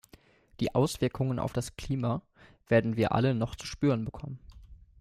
Die Auswirkungen auf das Klima werden wir alle noch zu spüren bekommen.